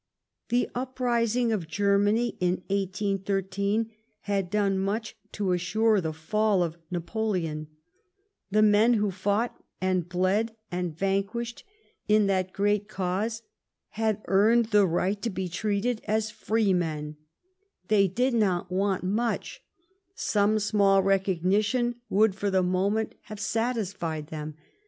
The uprising of Germany in 1813 had done much to assure the fall of Napoleon. The men who had fought, and bled, and vanquished, in that great GOVERNMENT BY REPBESSION. 145 cause, had earned the right to be treated as free men. They did not want much. Some small recognition would for the moment have satisfied them.